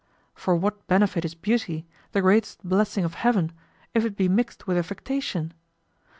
For what benefit is beauty, the greatest blessing of heaven, if it be mixed with affectation?